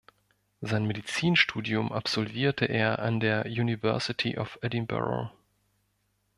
Sein Medizinstudium absolvierte er an der University of Edinburgh.